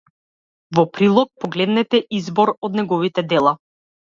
Во прилог погледнете избор од неговите дела.